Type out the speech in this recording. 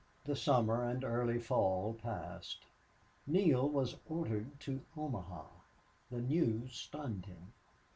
The summer and early fall passed. Neale was ordered to Omaha. The news stunned him.